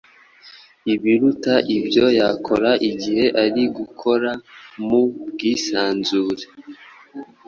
ibiruta ibyo yakora igihe ari gukora mu bwisanzure.